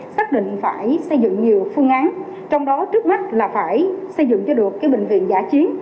xác định phải xây dựng nhiều phương án trong đó trước mắt là phải xây dựng cho được bệnh viện giả chiến